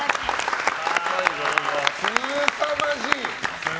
すさまじい。